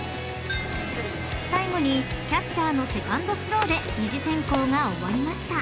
［最後にキャッチャーのセカンドスローで二次選考が終わりました］